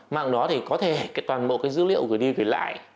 mạng đó thì có thể toàn bộ cái dữ liệu gửi đi gửi lại